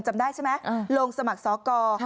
จำได้ใช่ไหมลงสมัครสอกร